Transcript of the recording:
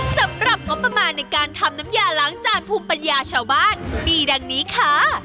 สำหรับงบประมาณในการทำน้ำยาล้างจานภูมิปัญญาชาวบ้านมีดังนี้ค่ะ